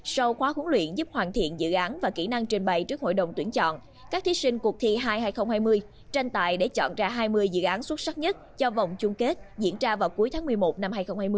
sau khóa huấn luyện giúp hoàn thiện dự án và kỹ năng trình bày trước hội đồng tuyển chọn các thí sinh cuộc thi hai hai nghìn hai mươi tranh tại để chọn ra hai mươi dự án xuất sắc nhất cho vòng chung kết diễn ra vào cuối tháng một mươi một năm hai nghìn hai mươi